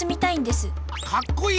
かっこいい？